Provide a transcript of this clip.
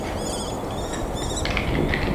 地图龟属有九个种。